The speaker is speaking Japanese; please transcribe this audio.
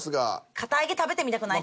堅あげ食べてみたくない？